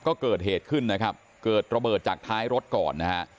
ก็เกิดเหตุขึ้นนะครับเกิดระเบิดจากท้ายรถก่อนนะฮะ